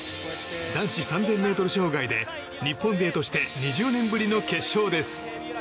男子３０００ｍ障害で日本勢として２０年ぶりの決勝です。